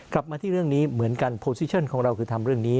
กลับมาที่เรื่องนี้เหมือนกันโปรซิชั่นของเราคือทำเรื่องนี้